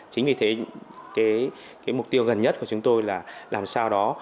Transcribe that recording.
chính vì thế cái mục tiêu gần nhất của chúng tôi là làm sao đó